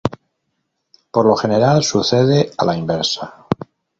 Por lo general, sucede a la inversa.